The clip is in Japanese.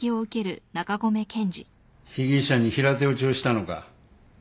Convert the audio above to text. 被疑者に平手打ちをしたのか？